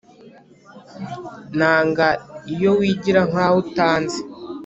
Nanga iyo wigira nkaho utanzi